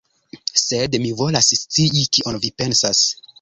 Sed mi volas scii kion vi pensas.